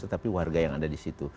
tetapi warga yang ada di situ